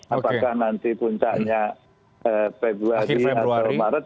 apakah nanti puncaknya februari atau maret